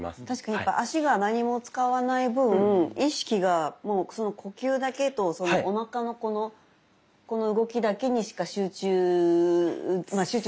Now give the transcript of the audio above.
確かに足が何も使わない分意識が呼吸だけとおなかのこの動きだけにしか集中まあ